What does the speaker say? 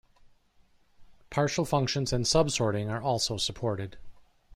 Partial functions and subsorting are also supported.